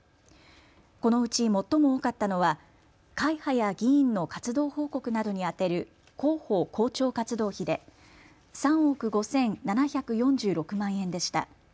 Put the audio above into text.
このうち最も多かったのは会派や議員の活動報告などに充てる広報・広聴活動費で３億５７４６万円でした。